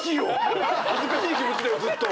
恥ずかしい気持ちだよずっと。